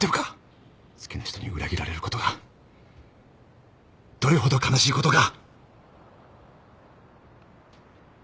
好きな人に裏切られることがどれほど悲しいことか！